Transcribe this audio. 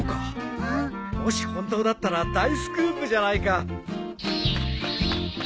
もし本当だったら大スクープじゃないか。